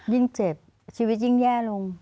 ยิ่งเจ็บชีวิตยิ่งแย่ลง